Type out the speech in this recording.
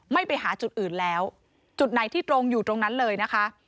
ไม่ไปหาจุดอื่นแล้วจุดไหนที่ตรงอยู่ตรงนั้นเลยนะคะ